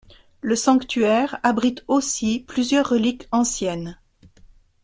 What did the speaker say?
Le sanctuaire abrite aussi plusieurs reliques anciennes.